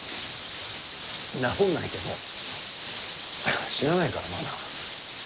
治んないけど死なないからまだ。